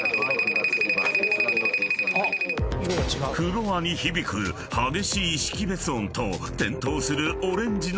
［フロアに響く激しい識別音と点灯するオレンジのランプ］